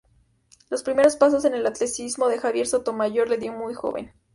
Los primeros pasos en el atletismo de Javier Sotomayor los dio muy joven.